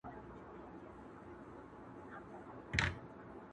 د غفلت په خوب بیده یمه پښتون یم نه خبريږم.